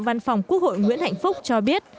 văn phòng quốc hội nguyễn hạnh phúc cho biết